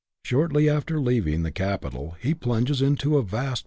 Shortly after leaving the capital he plunges into a vast CHAP.